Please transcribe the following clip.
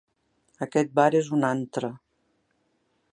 Aquest bar és un antre.